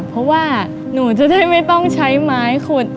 เพราะว่าหนูจะได้ไม่ต้องใช้ไม้ขุด